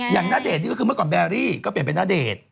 อย่างนาเดชนี่ก็คือเมื่อก่อนแบรี่ก็เปลี่ยนเป็นนาเดช